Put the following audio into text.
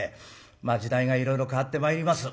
まあ時代がいろいろ変わってまいります。